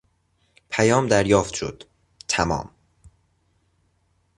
پیام دریافت شد -- تمام.